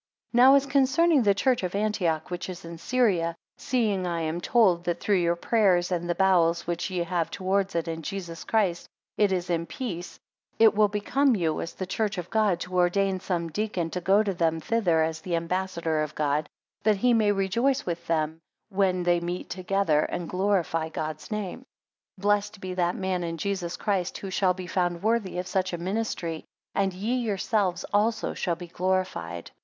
NOW as concerning the church of Antioch which is in Syria, seeing I am told that through your prayers and the bowels which ye have towards it in Jesus Christ, it is in peace; it will become you, as the church of God, to ordain some I deacon to go to them thither as the ambassador of God; that he may rejoice with them when they meet together, and glorify God's name. 2 Blessed be that man in Jesus, Christ, who shall be found worthy of such a ministry; and ye yourselves also shall be glorified.